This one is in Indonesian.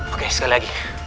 oke sekali lagi